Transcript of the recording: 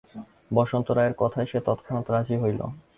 বসন্ত রায়ের কথায় সে তৎক্ষণাৎ রাজি হইল।